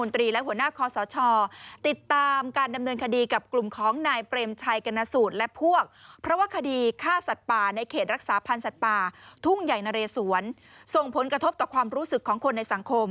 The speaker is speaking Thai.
ติดตามการนำเนินคดีกับกลุ่มของนายเพลิมชัยกรณะสูตรและพวกเพราะว่าคดีฆ่าสัตว์ป่าในเขตรักษาพันธุ์สัตว์ป่าทุ่งหญี่นะเรศวร์ส่งผลกระทบต่อความรู้สึกของคนในสังคม